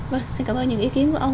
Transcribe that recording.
vâng xin cảm ơn những ý kiến của ông